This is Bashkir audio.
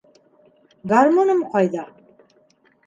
Гармуным ҡайҙа?